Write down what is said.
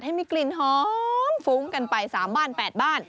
ให้มีกลิ่นหอมฟุ้งกันไป๓บ้าน๘บ้าน